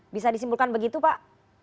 bisa disimpulkan begitu pak